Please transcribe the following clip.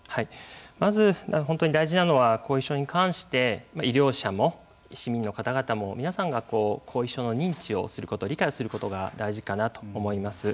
まず本当に大事なのは後遺症に関して医療者も市民の方々も皆さんが後遺症の認知をすること理解することが大事かなと思います。